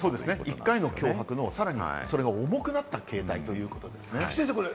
１回の脅迫がさらに重くなったということですね。